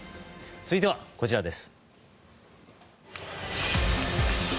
続いてはこちらです。